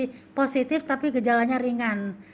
tidak ada yang positif tapi gejalanya ringan